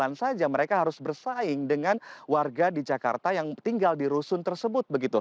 bukan saja mereka harus bersaing dengan warga di jakarta yang tinggal di rusun tersebut